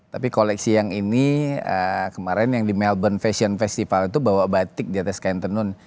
tapi koleksi yang ini kemarin yang di melbourne fashion festival itu bawa batik di atas kain tenun